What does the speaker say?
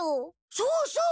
そうそう。